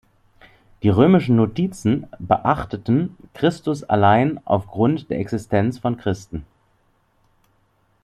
Die römischen Notizen beachteten „Christus allein aufgrund der Existenz von Christen“.